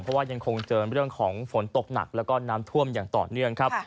เพราะว่ายังคงเจอเรื่องของฝนตกหนักแล้วก็น้ำท่วมอย่างต่อเนื่องครับ